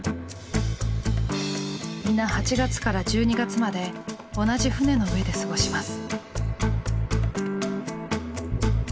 皆８月から１２月まで同じ船の上で過ごします。